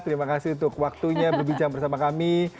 terima kasih untuk waktunya berbincang bersama kami